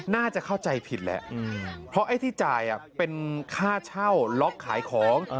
น่าจะเข้าใจผิดแหละเพราะไอ้ที่จ่ายเป็นค่าเช่าล็อกขายของ